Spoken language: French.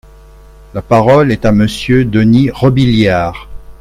La parole est à Monsieur Denys Robiliard.